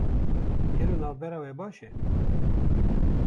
Gelo navbera we baş e?